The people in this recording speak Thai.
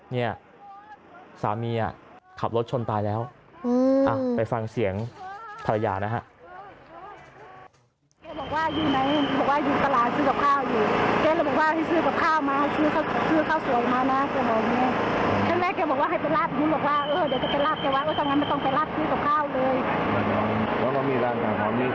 เนี่ยสามีขับรถชนตายแล้วไปฟังเสียงภรรยานะฮะ